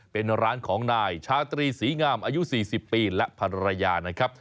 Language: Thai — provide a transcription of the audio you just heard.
เป็นร้านของนายชาตรีศรีงามอายุ๔๐ปีและภรรยานะครับ